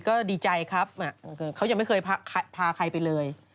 ก็ดีใจครับเขายังไม่เคยพาใครไปเลย